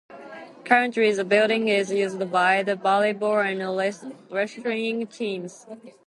Currently the building is used by the volleyball and wrestling teams.